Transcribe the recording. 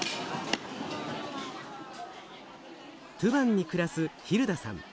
トゥバンに暮らすヒルダさん。